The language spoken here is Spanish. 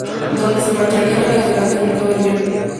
Donde se marcharía a la Liga Adelante en el mercado de invierno.